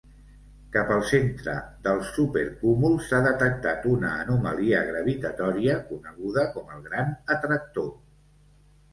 Cap al centre del supercúmul s'ha detectat una anomalia gravitatòria coneguda com el Gran Atractor.